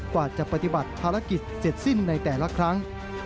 กว่าจะปฏิบัติภารกิจเสร็จสิ้นในแต่ละครั้ง